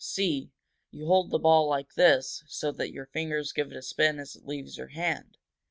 See? You hold the ball like this so that your fingers give it a spin as it leaves your hand."